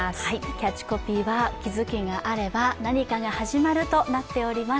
キャッチコピーは「気づきがあれば、何かが始まる」となっております。